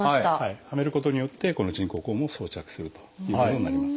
はめることによってこの人工肛門を装着するということになります。